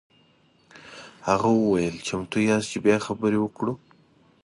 هغه وویل چمتو یاست چې بیا خبرې وکړو.